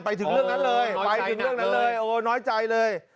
ไปถึงเรื่องนั้นเลยน้อยใจเลย